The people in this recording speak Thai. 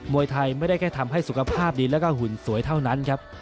วยไทยไม่ได้แค่ทำให้สุขภาพดีแล้วก็หุ่นสวยเท่านั้นครับ